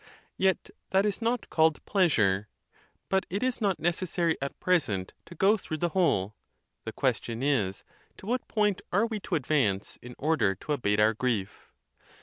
Yet that is not called pleasure. But it is not necessary at present to go through the whole:. the question is, to what point are we to advance in order to abate our grief?